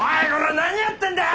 何やってんだよ！